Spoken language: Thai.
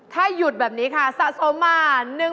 ถ้าหยุดแบบนี้ค่ะสะสมมา